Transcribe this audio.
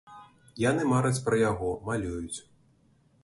Яны мараць пра яго, малююць.